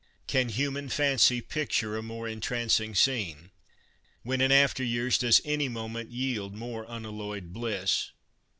Can human fancy picture a more entrancing scene ? When in after years does any moment yield more unalloyed bliss